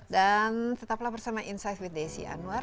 dan tetaplah bersama insight with desi anwar